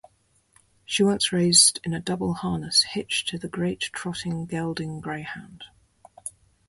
She once raced in double harness, hitched to the great trotting gelding Greyhound.